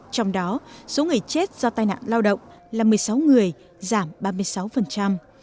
trong đó số người chết do tai nạn lao động là một mươi sáu người giảm ba mươi sáu